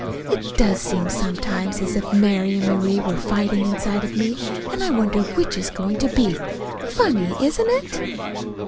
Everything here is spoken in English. it does seem sometimes, as if Mary and Marie were fighting inside of me, and I wonder which is going to beat. Funny, isn't it?